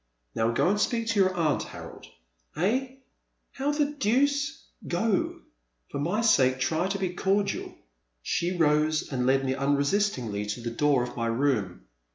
Now go and speak to your aunt, Harold.'* '*Ehl How the deuce— Go, for my sake try to be cordial. She rose and led me unresistingly to the door of my room.